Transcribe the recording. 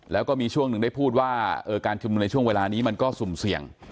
แล้วก็มีช่วงหนึ่งได้พูดว่าการชุมนุมในช่วงเวลานี้มันก็สุ่มเสี่ยง